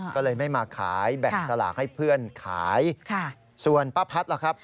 ก็เลยไม่มาขายแบ่งสลากให้เพื่อนขายส่วนป้าพัดล่ะครับ